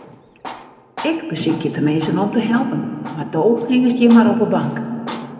Ik besykje teminsten om te helpen, mar do hingest hjir mar op 'e bank.